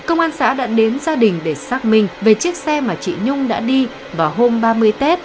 công an xã đã đến gia đình để xác minh về chiếc xe mà chị nhung đã đi vào hôm ba mươi tết